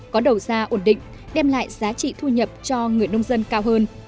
có đầu ra ổn định đem lại giá trị thu nhập cho người nông dân cao hơn